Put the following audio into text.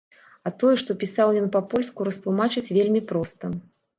А тое, што пісаў ён па-польску, растлумачыць вельмі проста.